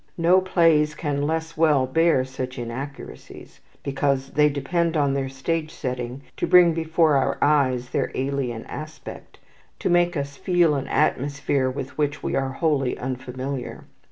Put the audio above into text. No plays can less well bear such inaccuracies, because they depend on their stage setting to bring before our eyes their alien aspect, to make us feel an atmosphere with which we are wholly unfamiliar.